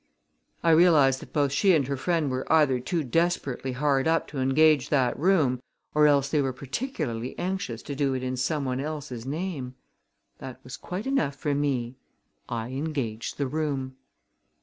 "I realized that both she and her friend were either too desperately hard up to engage that room or else they were particularly anxious to do it in some one else's name. That was quite enough for me. I engaged the room."